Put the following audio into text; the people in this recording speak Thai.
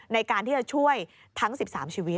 ในการที่จะช่วยทั้ง๑๓ชีวิต